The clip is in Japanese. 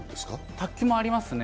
卓球もありますね。